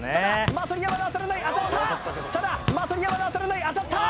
ただ的には当たらない当たった！